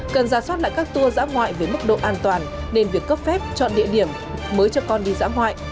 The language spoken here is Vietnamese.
cần giả soát lại các tua giã ngoại với mức độ an toàn nên việc cấp phép chọn địa điểm mới cho con đi giã ngoại